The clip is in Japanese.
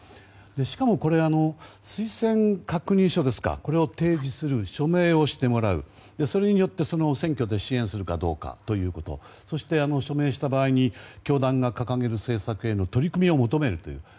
しかも推薦確認書ですかこれを提示する署名をしてもらうそれによって、その選挙で支援するかどうかということそして、署名した場合に教団が掲げる政策への取り組みを求めると。